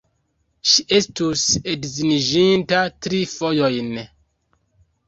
Ŝi estus edziniĝinta tri fojojn.